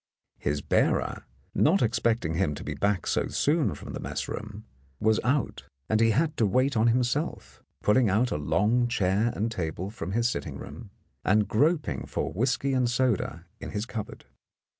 His bearer, not expecting him to be back so soon from the mess room, was out, and he had to wait on himself, pulling out a long chair and table from his sitting room, and groping for whisky and soda in his cupboard.